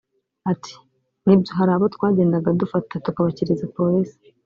Ati “Nibyo hari abo twagendaga dufata tukabashyikiriza polisi